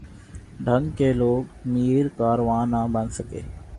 ڈھنگ کے لوگ میر کارواں نہ بن سکے۔